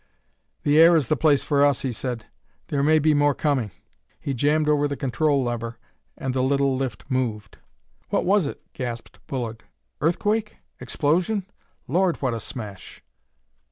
"The air is the place for us," he said; "there may be more coming." He jammed over the control lever, and the little lift moved. "What was it?" gasped Bullard, "earthquake? explosion? Lord, what a smash!"